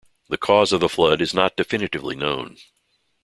The cause of the flood is not definitively known.